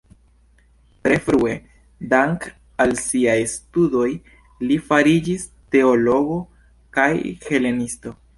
Tre frue, dank'al siaj studoj, li fariĝis teologo kaj helenisto.